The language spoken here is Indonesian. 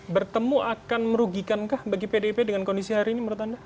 bertemu akan merugikankah bagi pdip dengan kondisi hari ini menurut anda